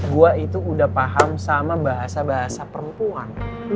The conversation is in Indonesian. gue itu udah paham sama bahasa bahasa perempuan